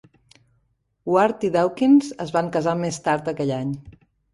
Ward i Dawkins es van casar més tard aquell any.